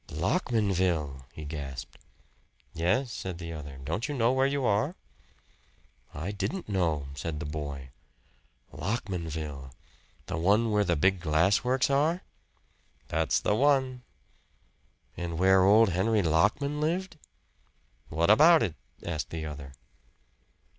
"Lockmanville!" he gasped. "Yes," said the other. "Don't you know where you are?" "I didn't know," said the boy. "Lockmanville! The one where the big glass works are?" "That's the one." "And where old Henry Lockman lived!" "What about it?" asked the other.